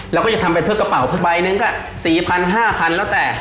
เราก็จะทำเป็นเพื่อกระเป๋าเพื่อใบหนึ่งก็๔๐๐๕๐๐แล้วแต่